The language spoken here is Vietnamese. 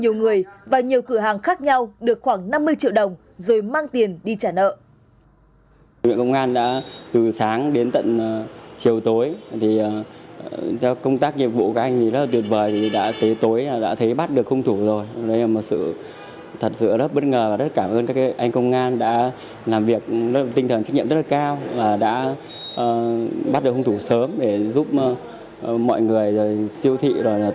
nhiều người và nhiều cửa hàng khác nhau được khoảng năm mươi triệu đồng rồi mang tiền đi trả nợ